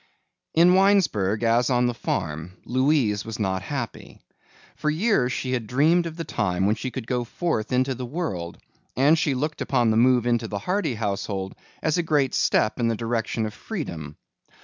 In Winesburg as on the farm Louise was not happy. For years she had dreamed of the time when she could go forth into the world, and she looked upon the move into the Hardy household as a great step in the direction of freedom.